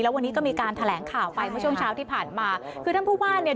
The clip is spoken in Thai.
วันนี้ก็มีการแถลงข่าวไปเมื่อช่วงเช้าที่ผ่านมาคือท่านผู้ว่าเนี่ย